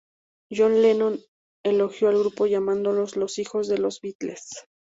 John Lennon elogió al grupo, llamándolos los "hijos de los Beatles".